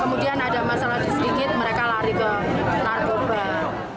kemudian ada masalah sedikit mereka lari ke narkoba